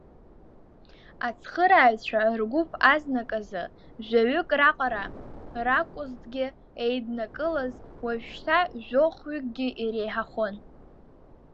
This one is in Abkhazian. Ацхырааҩцәа ргәыԥ азныказы жәаҩык раҟара ракәызҭгьы еиднакылаз, уажәшьҭа жәохәҩыкгьы иреиҳахон.